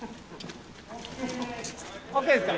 ＯＫですか？